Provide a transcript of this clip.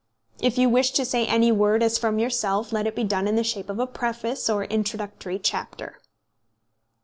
If you wish to say any word as from yourself, let it be done in the shape of a preface or introductory chapter."